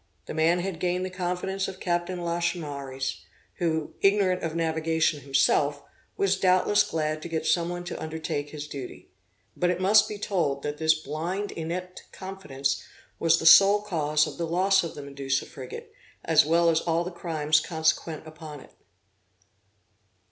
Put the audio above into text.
The man had gained the confidence of Captain Lachaumareys, who ignorant of navigation himself, was doubtless glad to get someone to undertake his duty. But it must be told, that this blind inept confidence was the sole cause of the loss of the Medusa frigate, as well as all the crimes consequent upon it.